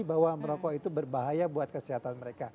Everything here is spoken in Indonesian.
bahwa merokok itu berbahaya buat kesehatan mereka